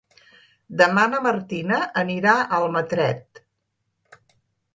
Demà na Martina anirà a Almatret.